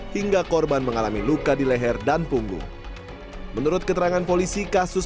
hingga korban mengalami luka di leher dan punggung menurut keterangan polisi kasus